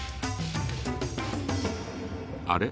あれ？